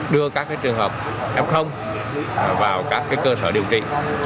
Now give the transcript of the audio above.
đưa các trường hợp f vào các cơ sở điều trị